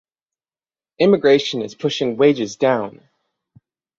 Immigration is pushing wages down.